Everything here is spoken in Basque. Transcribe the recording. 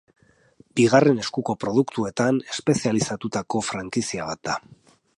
Bigarren eskuko produktuetan espezializatutako frankizia bat da.